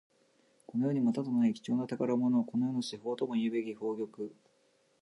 この世にまたとない貴重な宝物。この世の至宝ともいうべき宝玉。